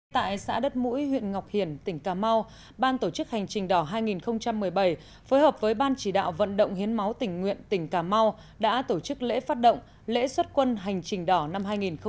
tại xã đất mũi huyện ngọc hiển tỉnh cà mau ban tổ chức hành trình đỏ hai nghìn một mươi bảy phối hợp với ban chỉ đạo vận động hiến máu tỉnh nguyện tỉnh cà mau đã tổ chức lễ phát động lễ xuất quân hành trình đỏ năm hai nghìn một mươi chín